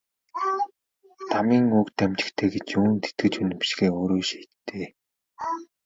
Дамын үг дамжигтай гэж юунд итгэж үнэмшихээ өөрөө шийд дээ.